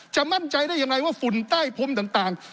มั่นใจได้ยังไงว่าฝุ่นใต้พรมต่าง